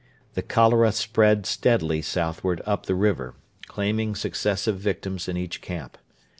The cholera spread steadily southward up the river, claiming successive victims in each camp.